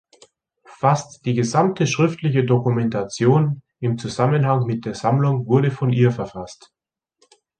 Fast die gesamte schriftliche Dokumentation im Zusammenhang mit der Sammlung wurde von ihr verfasst.